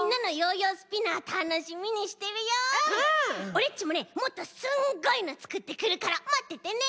オレっちもねもっとすんごいのつくってくるからまっててね！